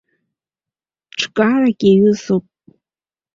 Ҽкарак иаҩызоуп.